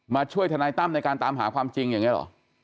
ช่วยทนายตั้มในการตามหาความจริงอย่างนี้เหรอ